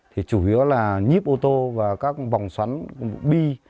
thì chủ yếu là nhíp ô tô và các vòng xoắn bi